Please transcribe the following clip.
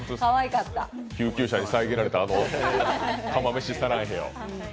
救急車に遮られた、あのカマメシサランヘヨ。